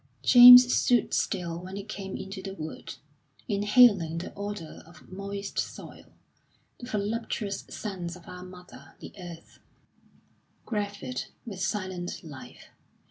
James stood still when he came into the wood, inhaling the odour of moist soil, the voluptuous scents of our mother, the Earth, gravid with silent life.